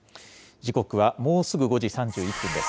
時刻はもうすぐ５時３１分です。